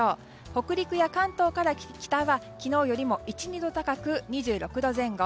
北陸や関東から北は昨日よりも１２度高く２６度前後。